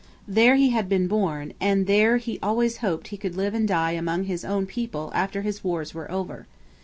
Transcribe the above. There he had been born, and there he always hoped he could live and die among his own people after his wars were over.